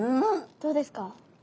どうですか？